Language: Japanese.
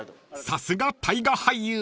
［さすが大河俳優］